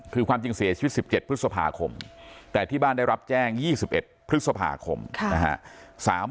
คือความจริงเสียชีวิต๑๗พฤษภาคมแต่ที่บ้านได้รับแจ้ง๒๑พฤษภาคมนะฮะ